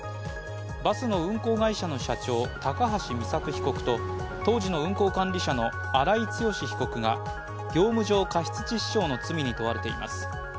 バスの運行会社の社長高橋美作被告と当時の運行管理者の荒井強被告が業務上過失致死傷の罪に問われています。